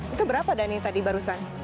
itu berapa dhani tadi barusan